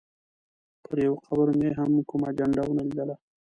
پر یوه قبر مې هم کومه جنډه ونه لیدله.